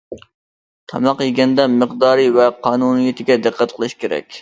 تاماق يېگەندە مىقدارى ۋە قانۇنىيىتىگە دىققەت قىلىش كېرەك.